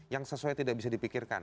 yang sesuai tidak bisa dipikirkan